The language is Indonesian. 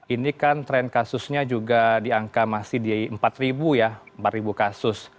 ini kan tren kasusnya juga di angka masih di empat ribu ya empat kasus